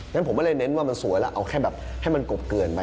งั้นผมไม่ได้เน้นว่ามันสวยแล้วเอาแค่แบบให้มันกบเกินไป